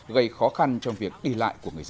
gây khó khăn trong việc đi lại của người dân